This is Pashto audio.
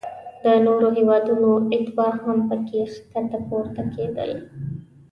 د نورو هیوادونو اتباع هم پکې ښکته پورته کیدل.